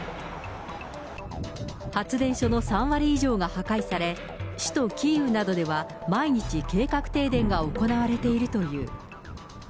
発電所の３割以上が破壊され、首都キーウなどでは毎日計画停電が行われているという。